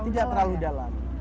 tidak terlalu dalam